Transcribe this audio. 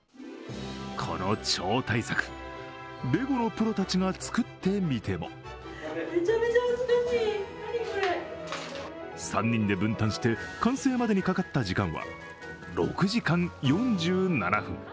この超大作レゴのプロたちが作ってみても３人で分担して、完成までにかかった時間は６時間４７分。